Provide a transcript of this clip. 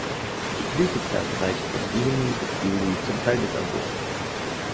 Die Blütezeit reicht von Juni bis Juli, zum Teil bis August.